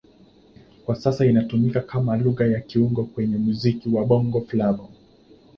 Kwa sasa inatumika kama Lugha ya kiungo kwenye muziki wa Bongo Flava.